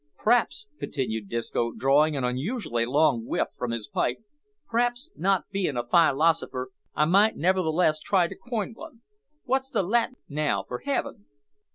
P'raps," continued Disco, drawing an unusually long whiff from his pipe, "p'raps, not bein' a fylosipher, I might nevertheless try to coin one. Wot's the Latin, now, for heaven?"